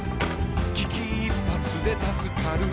「危機一髪で助かる」